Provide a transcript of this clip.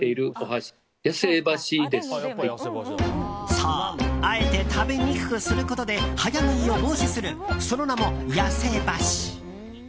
そうあえて食べにくくすることで早食いを防止するその名も痩せ箸。